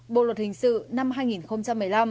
bộ luật hình sự năm hai nghìn một mươi năm